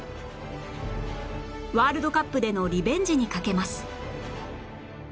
ワールドカップでのリベンジに懸けます